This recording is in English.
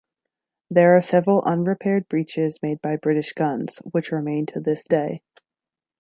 There are several unrepaired breaches made by British guns, which remain to this day.